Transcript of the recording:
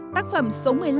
tác phẩm số một mươi năm